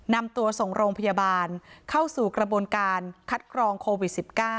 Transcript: นำตัวส่งโรงพยาบาลเข้าสู่กระบวนการคัดกรองโควิด๑๙